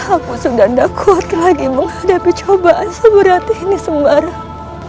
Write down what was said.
aku sudah tidak kuat lagi menghadapi cobaan seberat ini sembarang